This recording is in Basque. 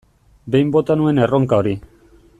Behin bota nuen erronka hori.